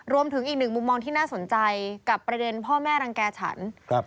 รวมถึงอีกหนึ่งมุมมองที่น่าสนใจกับประเด็นพ่อแม่รังแก่ฉัน